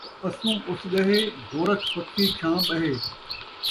اسوں اس ڳہے، گورکھ پکھی چھاں ٻہے